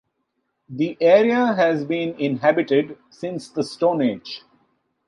The area has been inhabited since the Stone Age.